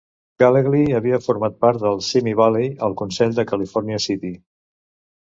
Gallegly havia format part de Simi Valley, al consell de California City.